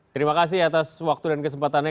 terima kasih atas waktu dan kesempatannya